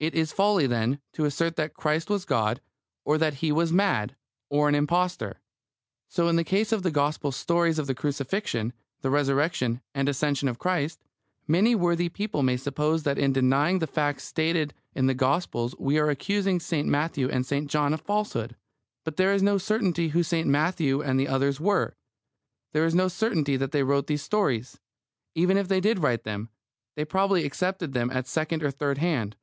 It is folly, then, to assert that Christ was God, or that He was mad, or an impostor. So in the case of the Gospel stories of the Crucifixion, the Resurrection, and Ascension of Christ. Many worthy people may suppose that in denying the facts stated in the Gospels we are accusing St. Matthew and St. John of falsehood. But there is no certainty who St. Matthew and the others were. There is no certainty that they wrote these stories. Even if they did write them, they probably accepted them at second or third hand.